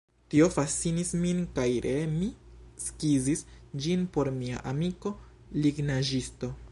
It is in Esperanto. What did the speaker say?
Tio fascinis min kaj ree mi skizis ĝin por mia amiko lignaĵisto.